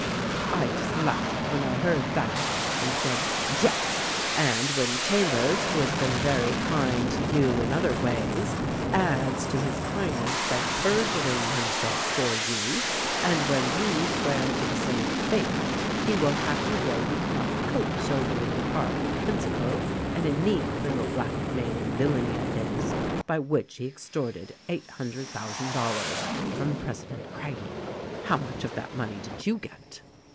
"I just laughed when I heard that, and said, 'Yes! and when Chambers, who has been very kind to you in other ways, adds to his kindness by perjuring himself for you, and when you swear to the same thing, he will have you where you cannot help shouldering the part of principal in a neat 216 THE RECORDING AXGEL little blackmailing villainy of his by which he extorted eight hundred thousand dollars from president Craggie. How much of that money did you get